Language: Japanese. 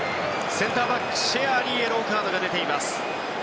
センターバックのシェアにイエローカードが出ています。